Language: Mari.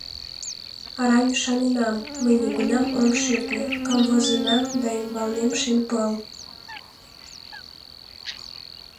Арам ӱшаненам: мый нигунам ом шӱртньӧ, Камвозынам, да ӱмбалнем шем пыл.